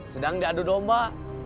sedang diadu domba